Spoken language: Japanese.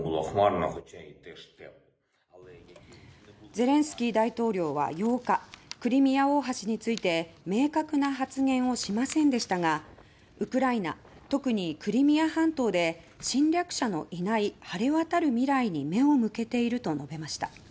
ゼレンスキー大統領は８日クリミア大橋について明確な発言をしませんでしたがウクライナ、特にクリミア半島で侵略者のいない晴れわたる未来に目を向けていると述べました。